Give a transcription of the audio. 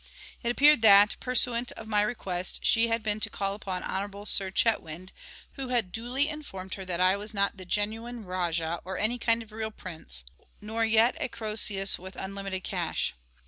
It appeared that, pursuant of my request, she had been to call upon Hon'ble Sir CHETWYND, who had duly informed her that I was not the genuine Rajah or any kind of real Prince, nor yet a Croesus with unlimited cash.